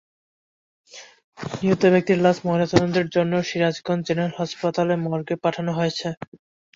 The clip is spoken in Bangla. নিহত ব্যক্তির লাশ ময়নাতদন্তের জন্য সিরাজগঞ্জ জেনারেল হাসপাতাল মর্গে পাঠানো হয়েছে।